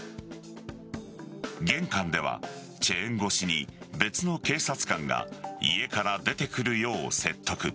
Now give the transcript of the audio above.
玄関ではチェーン越しに別の警察官が家から出てくるよう説得。